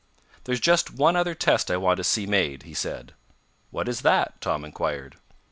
"There's just one other test I want to see made," he said. "What is that?" Tom inquired.